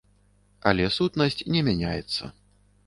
Але сутнасць не мяняецца.